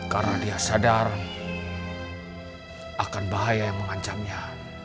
karena dia sadar akan bahaya yang mengancamnya